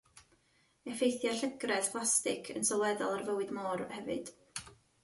Effeithia llygredd plastig yn sylweddol ar fywyd môr hefyd.